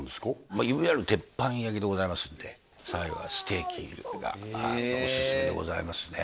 まあいわゆる鉄板焼きでございますんでステーキがおすすめでございますね